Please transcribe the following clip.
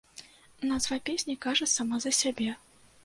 Назва песні кажа сама за сябе.